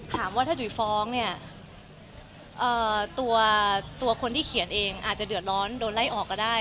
ถามว่าถ้าจุ๋ยฟ้องเนี่ยตัวคนที่เขียนเองอาจจะเดือดร้อนโดนไล่ออกก็ได้